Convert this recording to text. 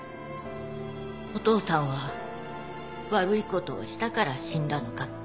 お父さんは悪いことをしたから死んだのかって。